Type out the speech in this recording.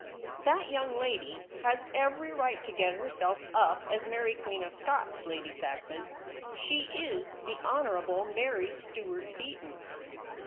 ' That young lady has every right to get herself up as Mary Queen of Scots, Lady Saxon. She is the Honourable Mary Stuart Beaton.'